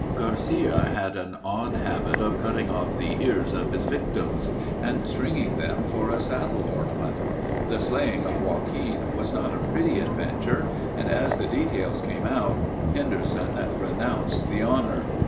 Garcia had an odd habit of cutting off the ears of his victims and stringing them for a saddle ornament. The slaying of Joaquin was not a pretty adventure and as the details came out, Henderson renounced the honor.